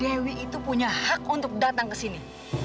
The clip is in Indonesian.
dewi itu punya hak untuk datang ke sini